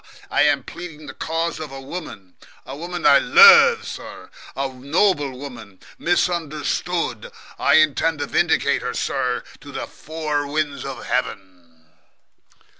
I am pleading the cause of a woman, a woman I lurve, sorr a noble woman misunderstood. I intend to vindicate her, sorr, to the four winds of heaven!"